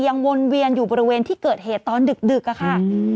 วนเวียนอยู่บริเวณที่เกิดเหตุตอนดึกอะค่ะ